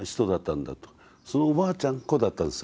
そのおばあちゃんっ子だったんです